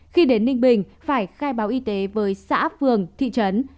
khi đến ninh bình phải khai báo y tế với xã phường thị trấn